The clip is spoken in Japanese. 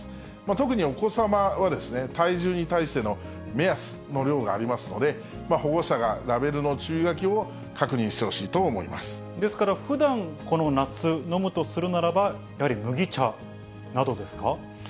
特にお子様はですね、体重に対しての目安の量がありますので、保護者がラベルの注意書きを確認ですから、ふだん、この夏飲むとするならば、やはり麦茶などですか？